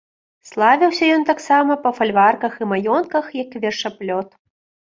Славіўся ён таксама па фальварках і маёнтках як вершаплёт.